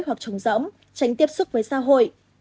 hoặc trống rỗng tránh tiếp xúc với xã hội